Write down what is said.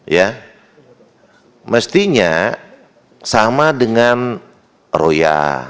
ya mestinya sama dengan roya